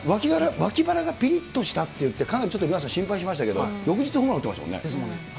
わき腹がぴりっとしたって言って、かなりちょっと心配しましたけれども、翌日ホームラン打ってますもんね。